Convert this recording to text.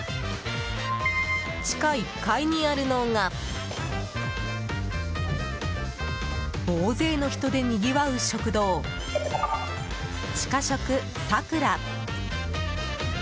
地下１階にあるのが大勢の人でにぎわう食堂チカショクさくら。